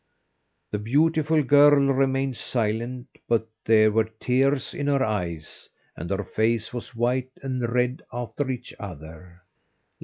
The beautiful girl remained silent, but there were tears in her eyes, and her face was white and red after each other.